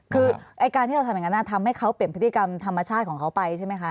คือไอ้การที่เราทำอย่างนั้นทำให้เขาเปลี่ยนพฤติกรรมธรรมชาติของเขาไปใช่ไหมคะ